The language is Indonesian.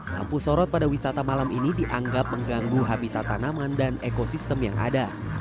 lampu sorot pada wisata malam ini dianggap mengganggu habitat tanaman dan ekosistem yang ada